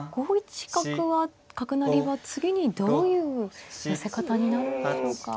５一角は角成は次にどういう寄せ方になるんでしょうか。